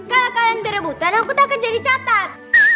kalau kalian terebutan aku takkan jadi catat